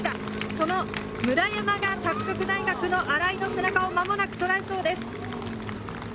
その村山が拓殖大学の新井の背中をまもなくとらえそうです。